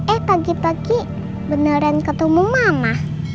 eh pagi pagi beneran ketemu mana